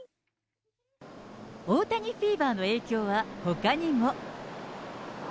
大谷フィーバーの影響はほかにも。